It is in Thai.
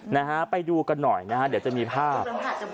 นะฮะไปดูกันหน่อยนะฮะเดี๋ยวจะมีภาพ